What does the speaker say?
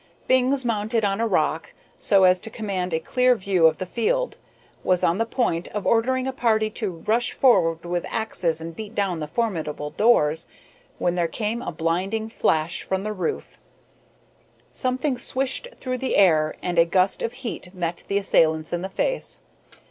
Bings, mounted on a rock, so as to command a clear view of the field, was on the point, of ordering a party to rush forward with axes and beat down the formidable doors, when there came a blinding flash from the roof, something swished through the air, and a gust of heat met the assailants in the face.